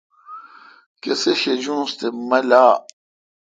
کسے شجونس تے مہ لاء۔